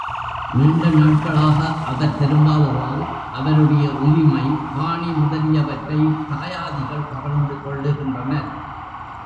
நீண்ட நாட்களாக அவர் திரும்பாததால் அவருடைய உரிமை, காணி முதலியவற்றைத் தாயாதிகள் கவர்ந்து கொள்ளுகின்றனர்.